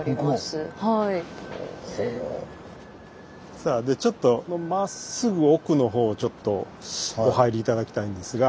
さあちょっとまっすぐ奥のほうお入り頂きたいんですが。